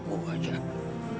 kalau tidak apa apa